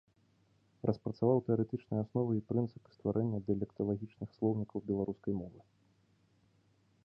Распрацаваў тэарэтычныя асновы і прынцыпы стварэння дыялекталагічных слоўнікаў беларускай мовы.